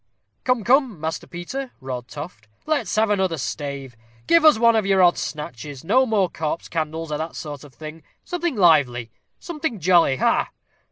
"Come, come, Master Peter," roared Toft, "let's have another stave. Give us one of your odd snatches. No more corpse candles, or that sort of thing. Something lively something jolly ha, ha!"